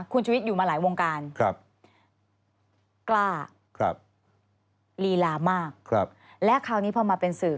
คุณชุวิตอยู่มาหลายวงการกล้าลีลามากและคราวนี้พอมาเป็นสื่อ